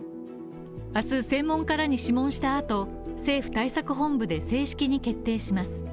明日、専門家らに諮問したあと政府対策本部で正式に決定します。